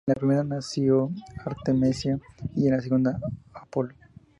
En la primera nació Artemisa y en la segunda, Apolo.